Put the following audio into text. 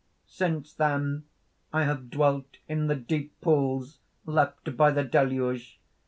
] "Since then I have dwelt in the deep pools left by the Deluge.